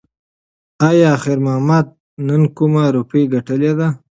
ایا خیر محمد نن کومه روپۍ ګټلې ده؟